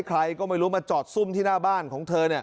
ใครก็ไม่รู้มาจอดซุ่มที่หน้าบ้านของเธอ